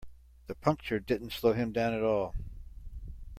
The puncture didn't slow him down at all.